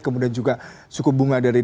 kemudian juga suku bunga dari